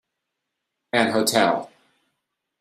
An hotel.